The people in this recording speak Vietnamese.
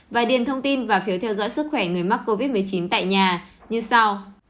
và điền thông tin và phiếu theo dõi sức khỏe người mắc covid một mươi chín tại nhà như sau